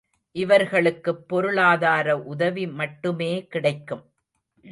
இவர்களுக்குப் பொருளாதார உதவி மட்டுமே கிடைக்கும்.